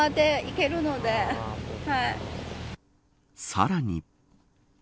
さらに。